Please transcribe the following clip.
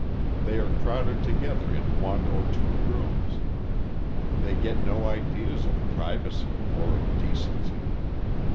They are crowded together in one or two rooms, they get no ideas of privacy, or of decency.